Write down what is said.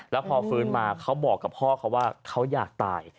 แล้วพอฟื้นมาเขาบอกกับพ่อเขาว่าเขาอยากตาย